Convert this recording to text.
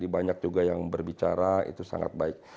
banyak juga yang berbicara itu sangat baik